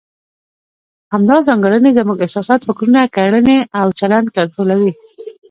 همدا ځانګړنې زموږ احساسات، فکرونه، کړنې او چلند کنټرولوي.